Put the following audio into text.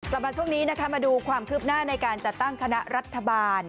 กลับมาช่วงนี้นะคะมาดูความคืบหน้าในการจัดตั้งคณะรัฐบาล